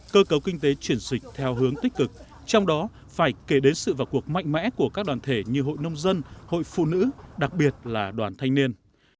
cơ cấu kinh tế chuyển dịch theo hướng tích cực trong đó phải kể đến sự vào cuộc mạnh mẽ của các đoàn thể như hội nông dân hội phụ nữ đặc biệt là đoàn thanh niên